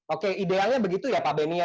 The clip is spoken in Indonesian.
oke ideanya begitu ya pak benny